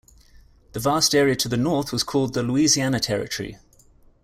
The vast area to the north was called the "Louisiana Territory".